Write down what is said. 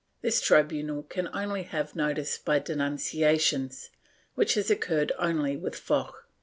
This tribunal can only have notice by denunciations, which has occurred only with Foch.